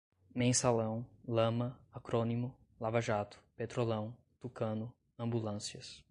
mensalão, lama, acrônimo, lava-jato, petrolão, tucano, ambulâncias